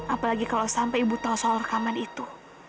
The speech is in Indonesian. apalagi kalau sampai ibu tahu soal rekaman itu